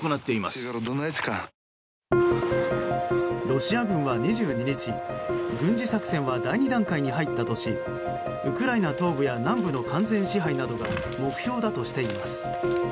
ロシア軍は２２日軍事作戦は第２段階に入ったとしウクライナ東部や南部の完全支配などが目標だとしています。